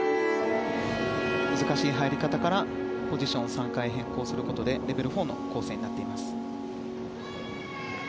難しい入り方からポジションを３回変更することでレベル４の構成になっています。